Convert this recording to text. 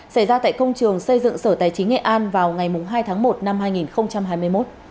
xảy ra tại công trường xây dựng sở tài chính nghệ an vào ngày hai tháng một năm hai nghìn hai mươi một